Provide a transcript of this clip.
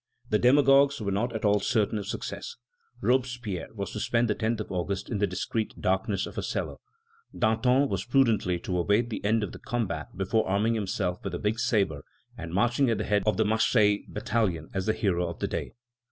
The demagogues were not at all certain of success. Robespierre was to spend the 10th of August in the discreet darkness of a cellar. Danton was prudently to await the end of the combat before arming himself with a big sabre and marching at the head of the Marseilles battalion as the hero of the day.